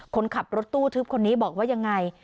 คนขับรถตู้ทึบคนนี้บอกว่ายังไง